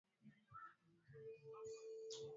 changanya unga wa ngano na sukari kwenye bakuli